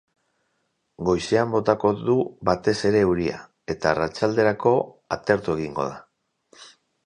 Goizean botako du batez ere euria, eta arratsalderako atertu egingo da.